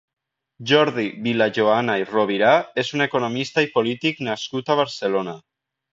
Jordi Vilajoana i Rovira és un economista i polític nascut a Barcelona.